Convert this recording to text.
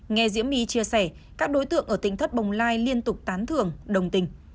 nghe diễm my chia sẻ các đối tượng ở tỉnh thất bồng lai liên tục tán thường đồng tình